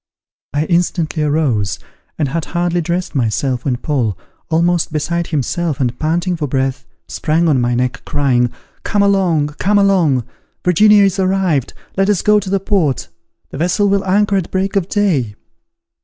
I instantly arose, and had hardly dressed myself, when Paul, almost beside himself, and panting for breath, sprang on my neck, crying, "Come along, come along. Virginia is arrived. Let us go to the port; the vessel will anchor at break of day."